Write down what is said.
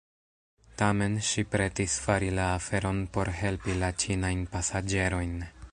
Tamen ŝi pretis fari la aferon por helpi la ĉinajn pasaĝerojn.